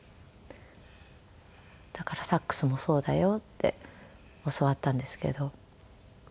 「だからサックスもそうだよ」って教わったんですけど。